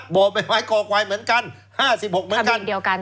โบบายไม้คอควายเหมือนกันห้าสิบหกเหมือนกันทะเบียนเดียวกัน